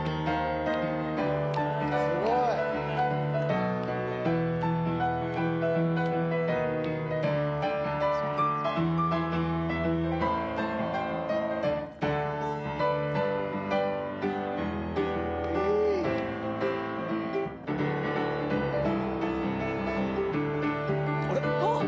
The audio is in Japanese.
すごい！いい！あっ！